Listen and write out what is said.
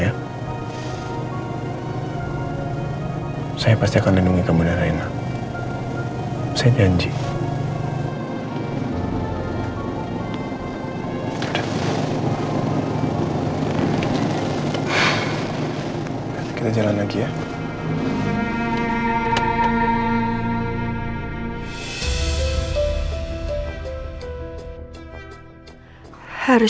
kapanpun aku mau